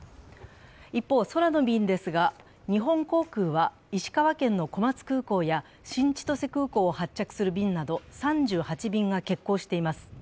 一方、空の便ですが、日本航空は石川県の小松空港や新千歳空港を発着する便など３８便が欠航しています。